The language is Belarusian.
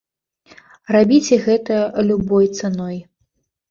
Рабіце гэта любой цаной.